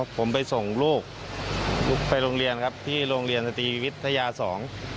ผมไปส่งลูกไปโรงเรียนครับที่โรงเรียนสตรีวิทยาสอง